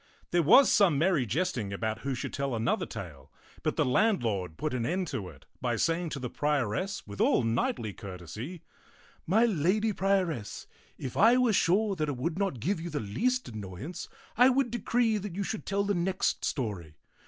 There was some merry jest ing about who should tell another tale, but the landlord put an end to it by saying to the prioress with all knightly courtesy, " My lady prioress, if I were sure that it would not give you the least annoyance, I would decree that you should tell the next story.